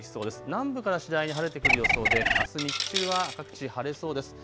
南部から次第に晴れてくる予想であす日中は各地晴れそうです。